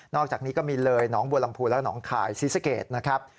นอกจากนี้ก็มีเลยหนองบวรรมภูร์และหนองข่ายซีซาเกดนะครับ